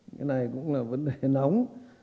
cái này cũng là vấn đề nóng